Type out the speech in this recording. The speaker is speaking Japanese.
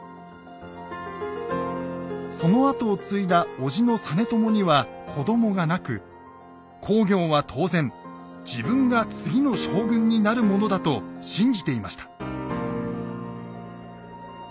その跡を継いだ叔父の実朝には子どもがなく公暁は当然自分が次の将軍になるものだと信じていました。